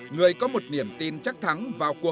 người có một niềm tin chắc thắng vào cuộc